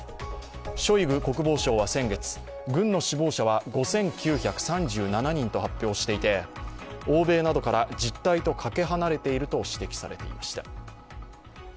ショイグ国防相は先月、軍の死亡者は５９３７人と発表していて欧米などから実態とかけ離れていると指摘されていました。